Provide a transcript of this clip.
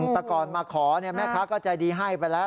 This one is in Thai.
แต่ก่อนมาขอแม่ค้าก็ใจดีให้ไปแล้ว